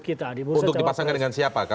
kita untuk dipasangkan dengan siapa